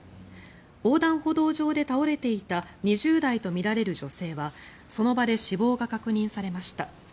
横断歩道上で倒れていた２０代とみられる女性はその場で死亡が確認されました。